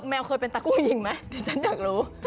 แมวเคยเป็นตากุ้ยยิงไหมดิฉันอยากรู้